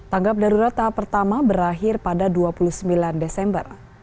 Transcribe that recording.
tanggap darurat tahap pertama berakhir pada dua puluh sembilan desember